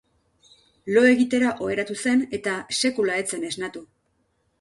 Lo egitera oheratu zen eta sekula ez zen esnatu.